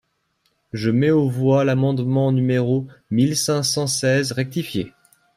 Je mets aux voix l’amendement numéro mille cinq cent seize rectifié.